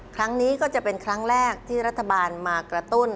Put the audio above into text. ครั้งนี้ก็จะเป็นครั้งแรกที่รัฐบาลมากระตุ้น